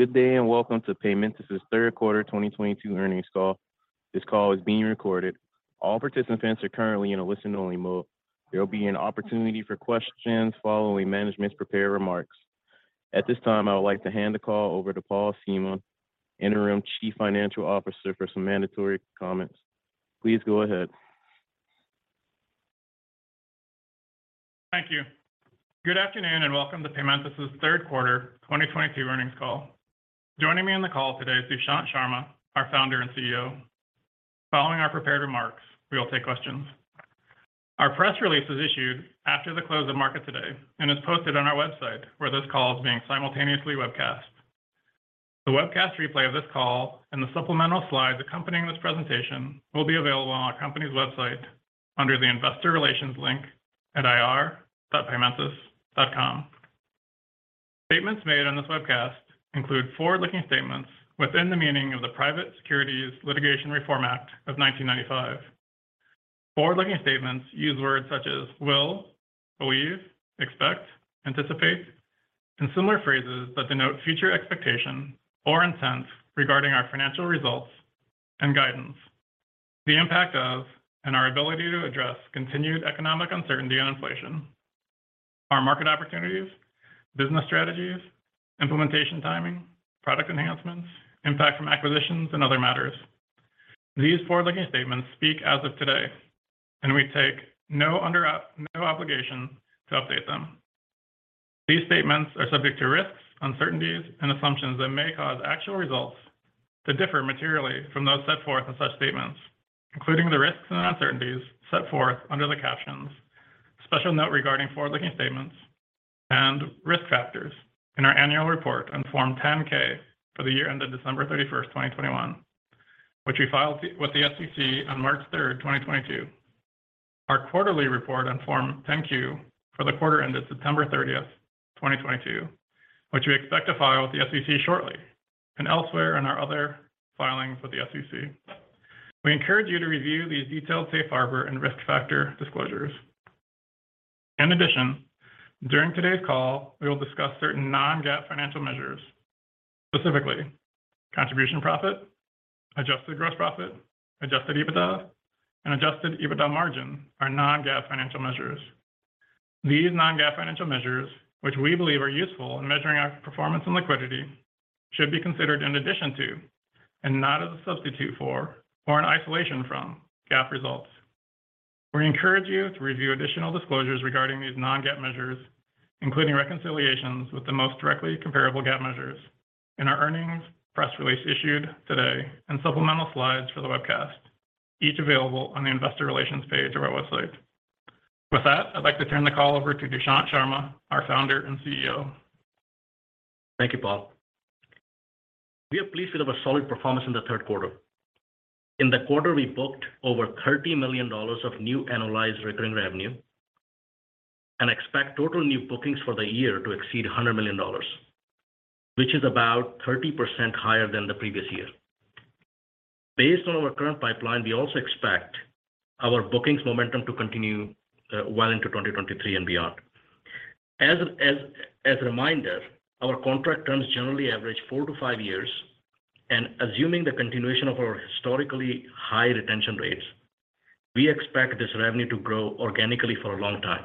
Good day and welcome to Paymentus's third quarter 2022 earnings call. This call is being recorded. All participants are currently in a listen only mode. There will be an opportunity for questions following management's prepared remarks. At this time, I would like to hand the call over to Paul Seamon, Interim Chief Financial Officer, for some mandatory comments. Please go ahead. Thank you. Good afternoon, and welcome to Paymentus's third quarter 2022 earnings call. Joining me on the call today is Dushyant Sharma, our Founder and CEO. Following our prepared remarks, we will take questions. Our press release is issued after the close of market today and is posted on our website where this call is being simultaneously webcast. The webcast replay of this call and the supplemental slides accompanying this presentation will be available on our company's website under the Investor Relations link at ir.paymentus.com. Statements made on this webcast include forward-looking statements within the meaning of the Private Securities Litigation Reform Act of 1995. Forward-looking statements use words such as will, believe, expect, anticipate, and similar phrases that denote future expectation or intent regarding our financial results and guidance. The impact of, and our ability to address continued economic uncertainty on inflation, our market opportunities, business strategies, implementation timing, product enhancements, impact from acquisitions and other matters. These forward-looking statements speak as of today, and we take no obligation to update them. These statements are subject to risks, uncertainties, and assumptions that may cause actual results to differ materially from those set forth in such statements, including the risks and uncertainties set forth under the captions, Special Note Regarding Forward-Looking Statements and Risk Factors in our annual report on Form 10-K for the year ended December 31st, 2021, which we filed with the SEC on March 3rd, 2022. Our quarterly report on Form 10-Q for the quarter ended September 30th, 2022, which we expect to file with the SEC shortly, and elsewhere in our other filings with the SEC. We encourage you to review these detailed safe harbor and risk factor disclosures. In addition, during today's call, we will discuss certain non-GAAP financial measures. Specifically, contribution profit, adjusted gross profit, adjusted EBITDA, and adjusted EBITDA margin are non-GAAP financial measures. These non-GAAP financial measures, which we believe are useful in measuring our performance and liquidity, should be considered in addition to, and not as a substitute for or in isolation from GAAP results. We encourage you to review additional disclosures regarding these non-GAAP measures, including reconciliations with the most directly comparable GAAP measures in our earnings press release issued today and supplemental slides for the webcast, each available on the investor relations page of our website. With that, I'd like to turn the call over to Dushyant Sharma, our Founder and CEO. Thank you, Paul. We are pleased with our solid performance in the third quarter. In the quarter, we booked over $30 million of new annualized recurring revenue, and expect total new bookings for the year to exceed $100 million, which is about 30% higher than the previous year. Based on our current pipeline, we also expect our bookings momentum to continue well into 2023 and beyond. As a reminder, our contract terms generally average four to five years, and assuming the continuation of our historically high retention rates, we expect this revenue to grow organically for a long time.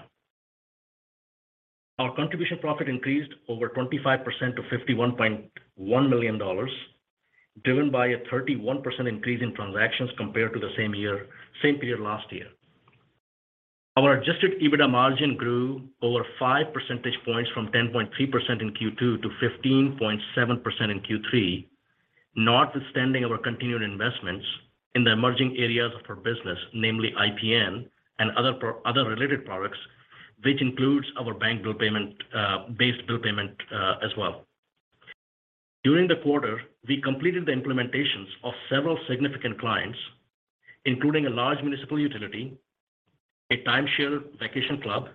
Our contribution profit increased over 25% to $51.1 million, driven by a 31% increase in transactions compared to the same period last year. Our adjusted EBITDA margin grew over 5 percentage points from 10.3% in Q2 to 15.7% in Q3, notwithstanding our continued investments in the emerging areas of our business, namely IPN and other related products, which includes our bank-based bill payment as well. During the quarter, we completed the implementations of several significant clients, including a large municipal utility, a timeshare vacation club,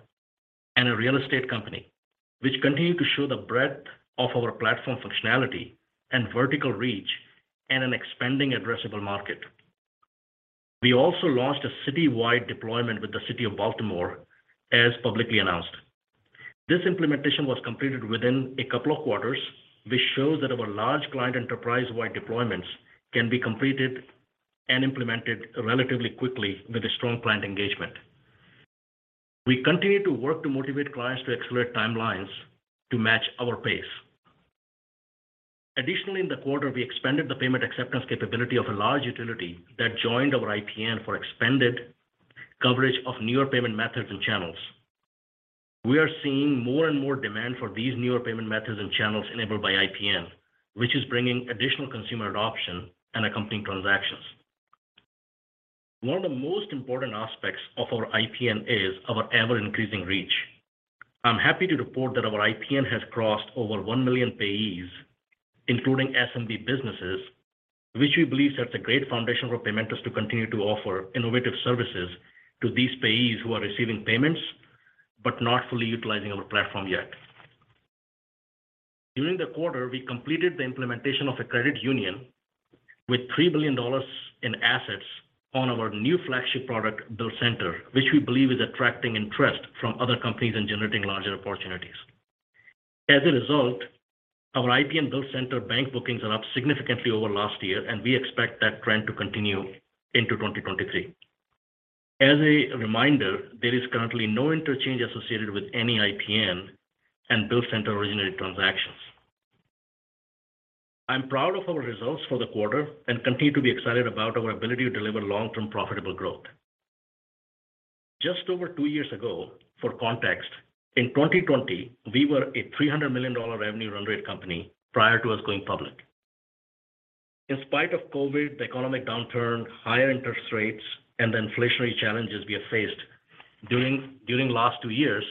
and a real estate company, which continue to show the breadth of our platform functionality and vertical reach in an expanding addressable market. We also launched a citywide deployment with the City of Baltimore, as publicly announced. This implementation was completed within a couple of quarters, which shows that our large client enterprise-wide deployments can be completed and implemented relatively quickly with a strong client engagement. We continue to work to motivate clients to accelerate timelines to match our pace. Additionally, in the quarter, we expanded the payment acceptance capability of a large utility that joined our IPN for expanded coverage of newer payment methods and channels. We are seeing more and more demand for these newer payment methods and channels enabled by IPN, which is bringing additional consumer adoption and accompanying transactions. One of the most important aspects of our IPN is our ever-increasing reach. I'm happy to report that our IPN has crossed over 1 million payees, including SMB businesses, which we believe sets a great foundation for Paymentus to continue to offer innovative services to these payees who are receiving payments but not fully utilizing our platform yet. During the quarter, we completed the implementation of a credit union with $3 billion in assets on our new flagship product, Bill Center, which we believe is attracting interest from other companies and generating larger opportunities. As a result, our IPN Bill Center bank bookings are up significantly over last year, and we expect that trend to continue into 2023. As a reminder, there is currently no interchange associated with any IPN and Bill Center originated transactions. I'm proud of our results for the quarter and continue to be excited about our ability to deliver long-term profitable growth. Just over two years ago, for context, in 2020, we were a $300 million revenue run rate company prior to us going public. In spite of COVID, the economic downturn, higher interest rates, and the inflationary challenges we have faced during last two years,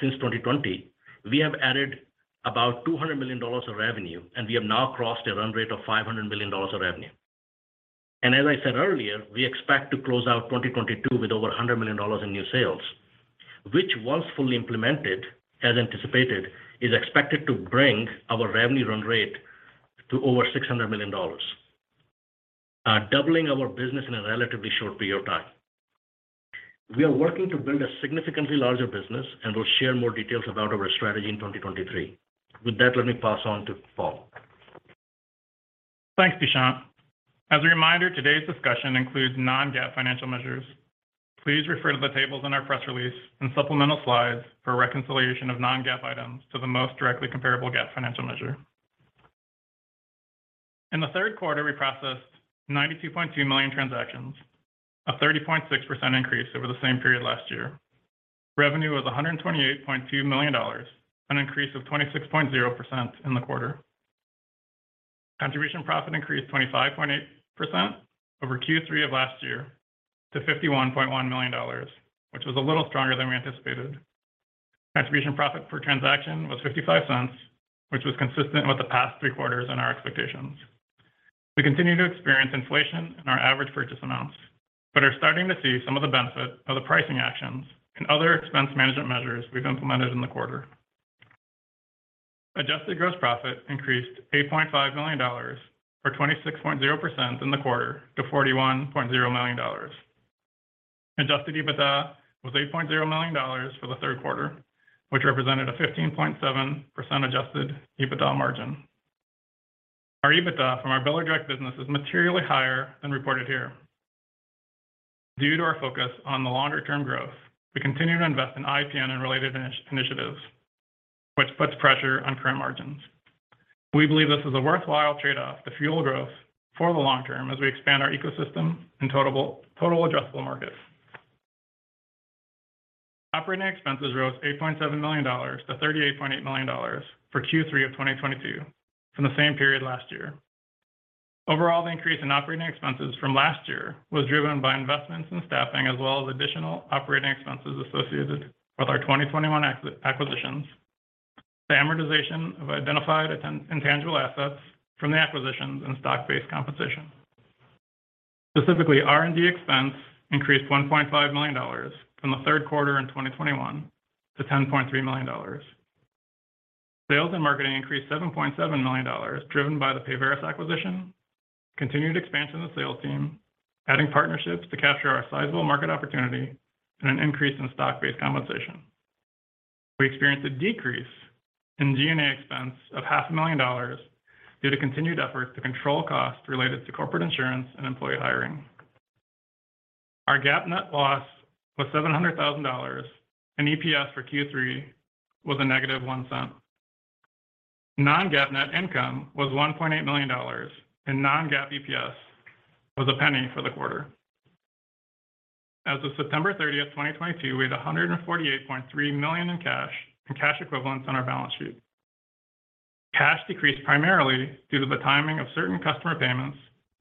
since 2020, we have added about $200 million of revenue, and we have now crossed a run rate of $500 million of revenue. As I said earlier, we expect to close out 2022 with over $100 million in new sales, which once fully implemented, as anticipated, is expected to bring our revenue run rate to over $600 million, doubling our business in a relatively short period of time. We are working to build a significantly larger business, and we'll share more details about our strategy in 2023. With that, let me pass on to Paul. Thanks, Dushyant. As a reminder, today's discussion includes non-GAAP financial measures. Please refer to the tables in our press release and supplemental slides for a reconciliation of non-GAAP items to the most directly comparable GAAP financial measure. In the third quarter, we processed 92.2 million transactions, a 30.6% increase over the same period last year. Revenue was $128.2 million, an increase of 26.0% in the quarter. Contribution profit increased 25.8% over Q3 of last year to $51.1 million, which was a little stronger than we anticipated. Contribution profit per transaction was $0.55, which was consistent with the past three quarters and our expectations. We continue to experience inflation in our average purchase amounts, but are starting to see some of the benefit of the pricing actions and other expense management measures we've implemented in the quarter. Adjusted gross profit increased $8.5 million or 26.0% in the quarter to $41.0 million. Adjusted EBITDA was $8.0 million for the third quarter, which represented a 15.7% adjusted EBITDA margin. Our EBITDA from our biller direct business is materially higher than reported here. Due to our focus on the longer-term growth, we continue to invest in IPN and related initiatives, which puts pressure on current margins. We believe this is a worthwhile trade-off to fuel growth for the long term as we expand our ecosystem and total addressable market. Operating expenses rose $8.7 million to $38.8 million for Q3 of 2022 from the same period last year. Overall, the increase in operating expenses from last year was driven by investments in staffing, as well as additional operating expenses associated with our 2021 acquisitions, the amortization of identified intangible assets from the acquisitions and stock-based compensation. Specifically, R&D expense increased $1.5 million from the third quarter in 2021 to $10.3 million. Sales and marketing increased $7.7 million, driven by the Payveris acquisition, continued expansion of the sales team, adding partnerships to capture our sizable market opportunity, and an increase in stock-based compensation. We experienced a decrease in G&A expense of $500,000 due to continued efforts to control costs related to corporate insurance and employee hiring. Our GAAP net loss was $700,000, and EPS for Q3 was -$0.01. Non-GAAP net income was $1.8 million, and non-GAAP EPS was $0.01 for the quarter. As of September 30th, 2022, we had $148.3 million in cash and cash equivalents on our balance sheet. Cash decreased primarily due to the timing of certain customer payments,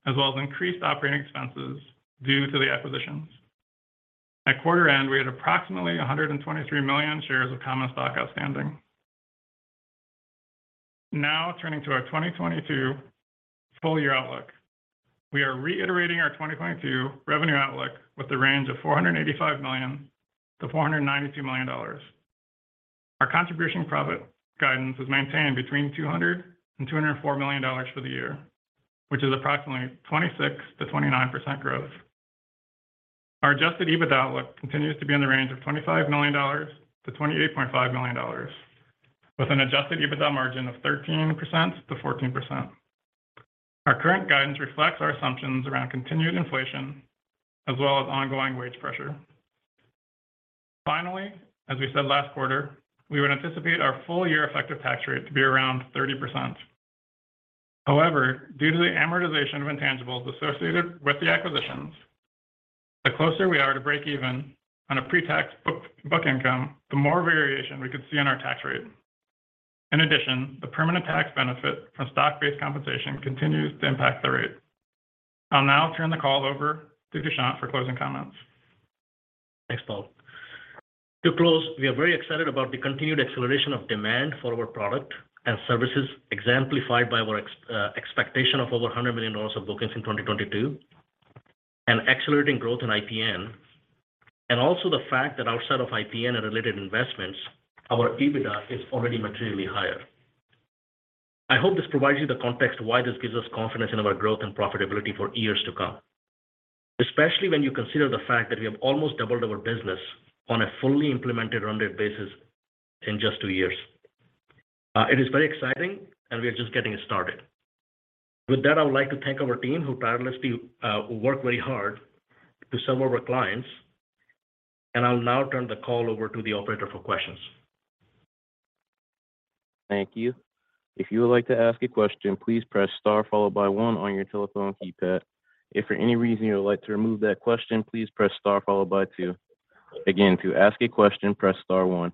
as well as increased operating expenses due to the acquisitions. At quarter end, we had approximately 123 million shares of common stock outstanding. Now turning to our 2022 full-year outlook. We are reiterating our 2022 revenue outlook with the range of $485 million-$492 million. Our contribution profit guidance was maintained between $200 million and $204 million for the year, which is approximately 26%-29% growth. Our adjusted EBITDA outlook continues to be in the range of $25 million-$28.5 million, with an adjusted EBITDA margin of 13%-14%. Our current guidance reflects our assumptions around continued inflation as well as ongoing wage pressure. Finally, as we said last quarter, we would anticipate our full-year effective tax rate to be around 30%. However, due to the amortization of intangibles associated with the acquisitions, the closer we are to breakeven on a pre-tax book income, the more variation we could see in our tax rate. In addition, the permanent tax benefit from stock-based compensation continues to impact the rate. I'll now turn the call over to Dushyant for closing comments. Thanks, Paul. To close, we are very excited about the continued acceleration of demand for our product and services, exemplified by our expectation of over $100 million of bookings in 2022, accelerating growth in IPN, and also the fact that outside of IPN and related investments, our EBITDA is already materially higher. I hope this provides you the context why this gives us confidence in our growth and profitability for years to come. Especially when you consider the fact that we have almost doubled our business on a fully implemented run rate basis in just two years. It is very exciting, and we are just getting started. With that, I would like to thank our team who tirelessly work very hard to serve our clients. I'll now turn the call over to the operator for questions. Thank you. If you would like to ask a question, please press star followed by one on your telephone keypad. If for any reason you would like to remove that question, please press star followed by two. Again, to ask a question, press star one.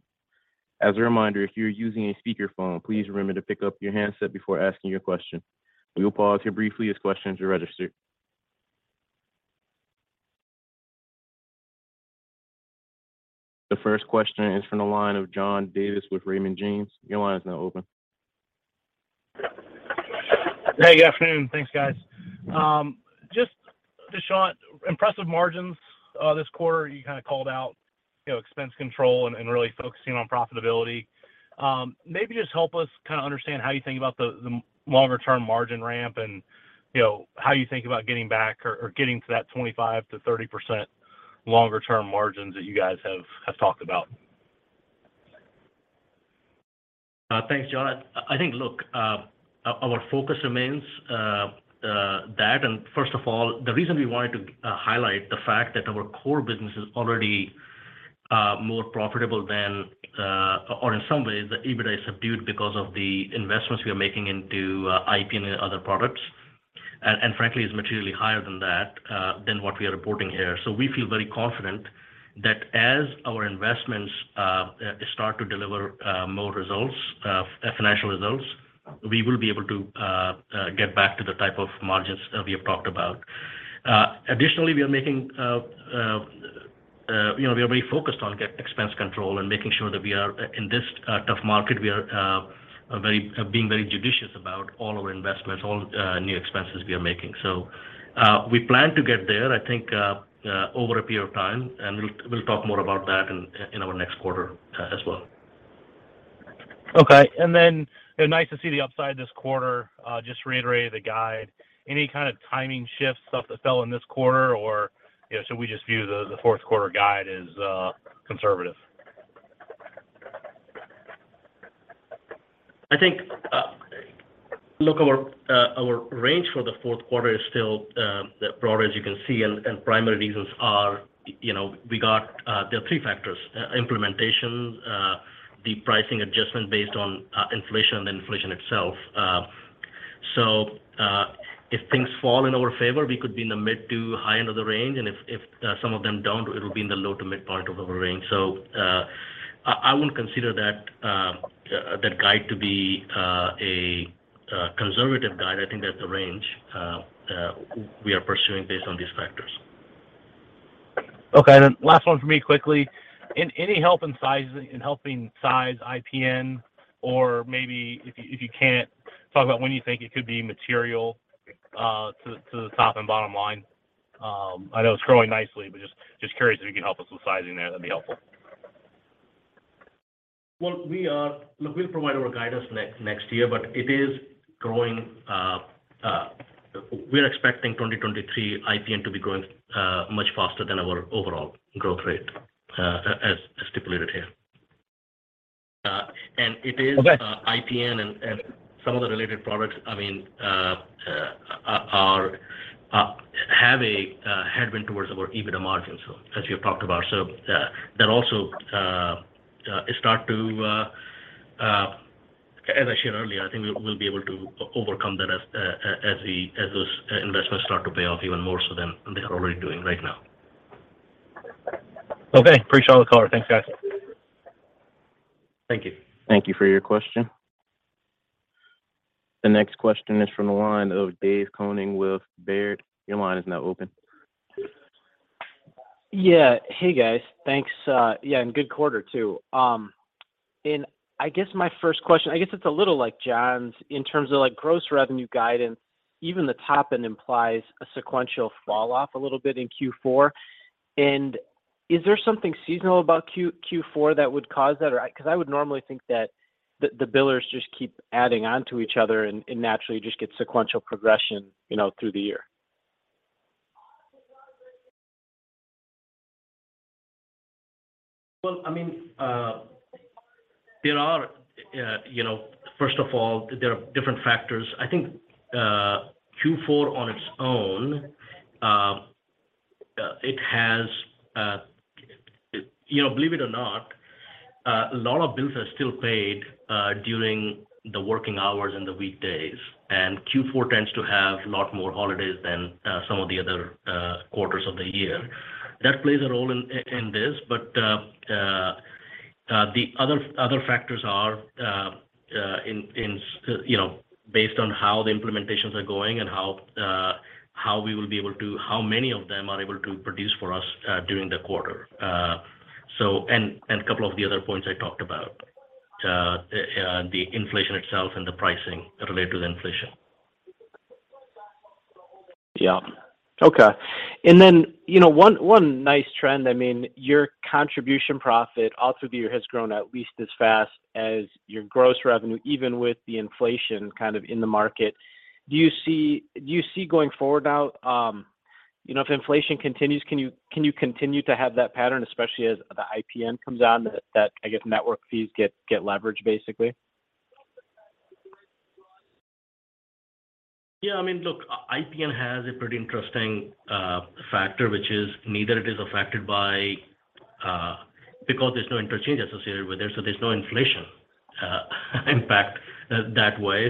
As a reminder, if you're using a speakerphone, please remember to pick up your handset before asking your question. We will pause here briefly as questions are registered. The first question is from the line of John Davis with Raymond James. Your line is now open. Hey, good afternoon. Thanks, guys. Just Dushyant, impressive margins this quarter. You kinda called out, you know, expense control and really focusing on profitability. Maybe just help us kinda understand how you think about the longer-term margin ramp and, you know, how you think about getting back or getting to that 25%-30% longer-term margins that you guys have talked about. Thanks, John. I think, look, our focus remains that. First of all, the reason we wanted to highlight the fact that our core business is already more profitable than or in some ways, the EBITDA is subdued because of the investments we are making into IPN and other products. Frankly, is materially higher than that than what we are reporting here. We feel very confident that as our investments start to deliver more results, financial results, we will be able to get back to the type of margins we have talked about. Additionally, we are making, you know, we are very focused on expense control and making sure that we are, in this tough market, we are being very judicious about all our investments, all new expenses we are making. We plan to get there, I think, over a period of time, and we'll talk more about that in our next quarter, as well. Okay. Nice to see the upside this quarter, just reiterating the guide. Any kind of timing shifts, stuff that fell in this quarter? Or, you know, should we just view the fourth quarter guide as conservative? I think, look, our range for the fourth quarter is still broad, as you can see, and primary reasons are, you know, there are three factors, implementation, the pricing adjustment based on inflation and inflation itself. If things fall in our favor, we could be in the mid to high end of the range. If some of them don't, it'll be in the low to mid part of our range. I wouldn't consider that guide to be a conservative guide. I think that's the range we are pursuing based on these factors. Okay. Last one for me quickly. Any help in helping size IPN? Or maybe if you can't, talk about when you think it could be material to the top and bottom line. I know it's growing nicely, but just curious if you can help us with sizing there, that'd be helpful. Well, look, we'll provide our guidance next year, but it is growing. We're expecting 2023 IPN to be growing much faster than our overall growth rate, as stipulated here. And it is. Okay. IPN and some of the related products, I mean, have a headwind towards our EBITDA margins, as we have talked about. As I shared earlier, I think we'll be able to overcome that as those investments start to pay off even more so than they are already doing right now. Okay. Appreciate the color. Thanks, guys. Thank you. Thank you for your question. The next question is from the line of David Koning with Baird. Your line is now open. Yeah. Hey, guys. Thanks. Good quarter too. I guess my first question, I guess it's a little like John's in terms of, like, gross revenue guidance. Even the top end implies a sequential fall off a little bit in Q4. Is there something seasonal about Q4 that would cause that? 'Cause I would normally think that the billers just keep adding on to each other and naturally just get sequential progression, you know, through the year. Well, I mean, there are, you know. First of all, there are different factors. I think, Q4 on its own, it has, you know, believe it or not, a lot of bills are still paid during the working hours and the weekdays. Q4 tends to have a lot more holidays than some of the other quarters of the year. That plays a role in this, but the other factors are, you know, based on how the implementations are going and how many of them are able to produce for us during the quarter. A couple of the other points I talked about, the inflation itself and the pricing related to the inflation. Yeah. Okay. Then, you know, one nice trend, I mean, your contribution profit all through the year has grown at least as fast as your gross revenue, even with the inflation kind of in the market. Do you see going forward now, you know, if inflation continues, can you continue to have that pattern, especially as the IPN comes on, that I guess network fees get leveraged, basically? Yeah. I mean, look, IPN has a pretty interesting factor, which is neither it is affected by, because there's no interchange associated with it, so there's no inflation impact that way.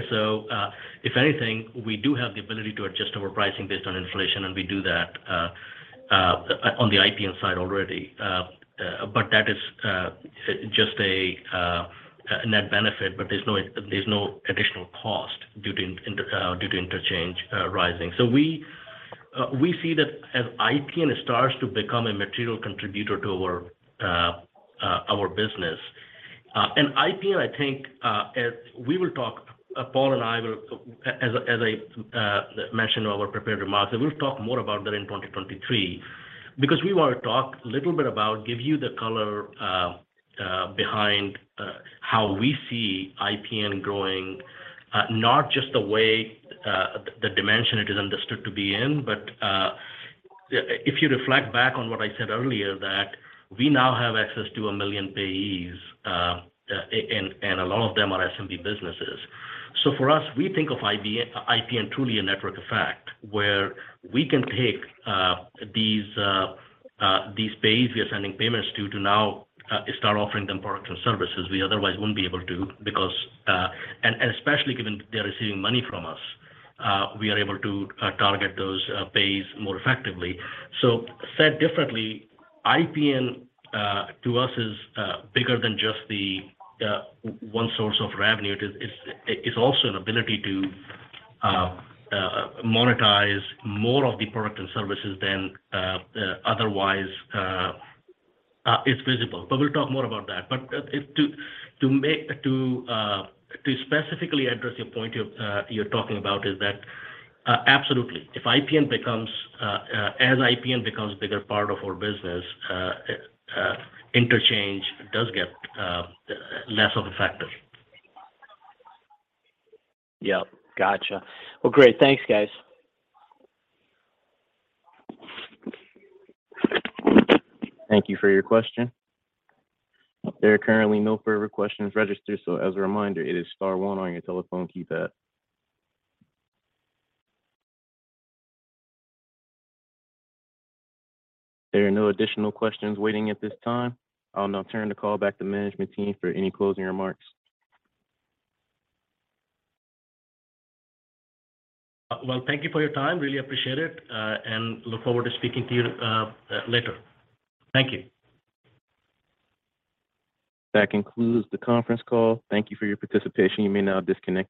If anything, we do have the ability to adjust our pricing based on inflation, and we do that on the IPN side already. That is just a net benefit, but there's no additional cost due to interchange rising. We see that as IPN starts to become a material contributor to our business. IPN, I think, as. We will talk, Paul and I will, as I mentioned in our prepared remarks, and we'll talk more about that in 2023 because we want to talk a little bit about, give you the color behind how we see IPN growing, not just the way the dimension it is understood to be in. If you reflect back on what I said earlier, that we now have access to a million payees, and a lot of them are SMB businesses. For us, we think of IPN truly a network effect where we can take these payees we are sending payments to to now start offering them products or services we otherwise wouldn't be able to because and especially given they're receiving money from us we are able to target those payees more effectively. Said differently, IPN to us is bigger than just the one source of revenue. It's also an ability to monetize more of the product and services than otherwise is visible. We'll talk more about that. To specifically address your point you're talking about is that absolutely. If, as IPN becomes bigger part of our business, interchange does get less of a factor. Yeah. Gotcha. Well, great. Thanks, guys. Thank you for your question. There are currently no further questions registered, so as a reminder, it is star one on your telephone keypad. There are no additional questions waiting at this time. I'll now turn the call back to management team for any closing remarks. Well, thank you for your time. Really appreciate it, and look forward to speaking to you, later. Thank you. That concludes the conference call. Thank you for your participation. You may now disconnect your.